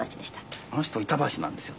あの人板橋なんですよ